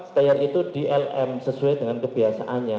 stayer itu di lm sesuai dengan kebiasaannya